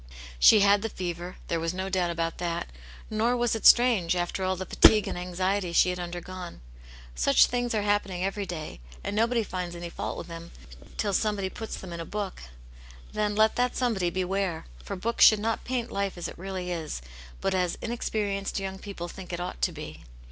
She had the fever, there was no doubt about that, nor was it strange, after all the fatigue and anxiety she had undergone. Such things are happening every day, and nobody finds any fault v^WcitiaatctN}^ ^wsns> i60 Aunt Janets Hero. body puts them into a book. Then let that somebody beware ! For books should not paint life as it really is, but as inexperienced young people think it ought to be.